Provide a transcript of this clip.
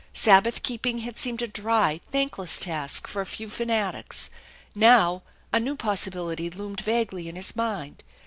Sabbath keeping had seemed a dry, thankless task for a few fanatics; now a new possibility loomed vaguely in his mind.